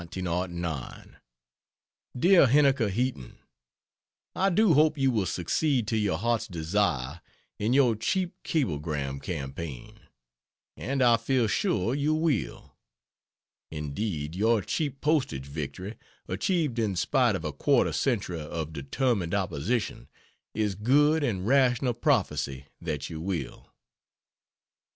DEAR HENNIKER HEATON, I do hope you will succeed to your heart's desire in your cheap cablegram campaign, and I feel sure you will. Indeed your cheap postage victory, achieved in spite of a quarter century of determined opposition, is good and rational prophecy that you will.